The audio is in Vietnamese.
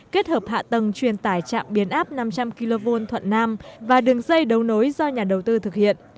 kết hợp hạ tầng truyền tải trạm biến áp năm trăm linh kv thuận nam và đường dây đấu nối do nhà đầu tư thực hiện